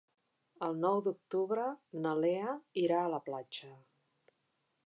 El nou d'octubre na Lea irà a la platja.